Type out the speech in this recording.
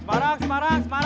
semarang semarang semarang